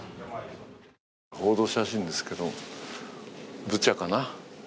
報道写真ですけど、ブチャかな。